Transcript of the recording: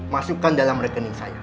masukkan dalam rekening saya